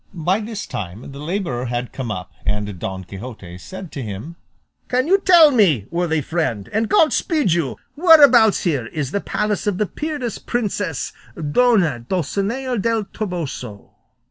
By this time the labourer had come up, and Don Quixote asked him, "Can you tell me, worthy friend, and God speed you, whereabouts here is the palace of the peerless princess Dona Dulcinea del Toboso?"